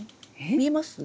見えます？え？